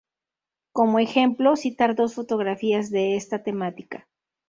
Como ejemplo, citar dos fotografías de esta temática.